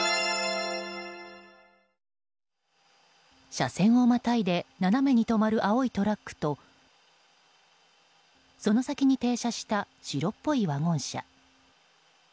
車線をまたいで斜めに止まる青いトラックとその先に停車した白っぽいワゴン車。